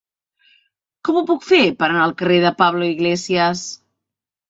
Com ho puc fer per anar al carrer de Pablo Iglesias?